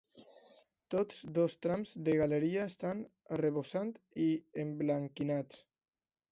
Tots dos trams de galeria estan arrebossats i emblanquinats.